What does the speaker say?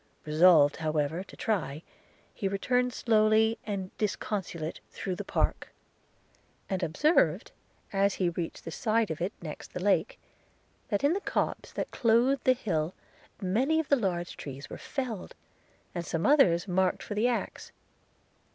– Resolved however to try, he returned slowly and disconsolate through the park; and observed, as he reached the side of it next the lake, that in the copse that clothed the hill many of the large trees were felled, and some others marked for the axe.